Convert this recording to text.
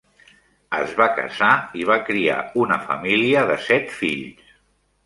Es va casar i va criar una família de set fills.